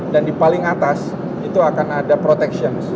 dan di paling atas itu akan ada protection